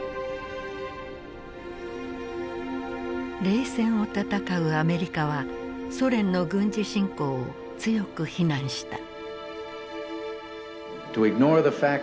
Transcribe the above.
冷戦を戦うアメリカはソ連の軍事侵攻を強く非難した。